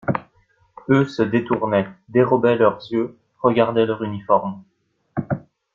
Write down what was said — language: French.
Eux se détournaient, dérobaient leurs yeux, regardaient leurs uniformes.